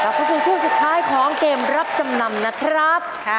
ไปรับผัสสู่ชั่วสุดท้ายของเกมรักจำนำนะครับ